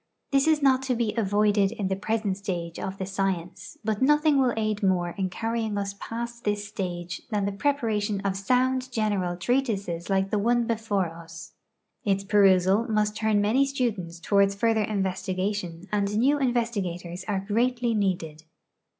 This is not to be avoided in the present stage of the science, but nothing will aid more in carrying us past this stage than the preparation of sound general treatises like the one l)efore us. Its periLsal must turn many students toward further investigation, and new investigators are greatly needed.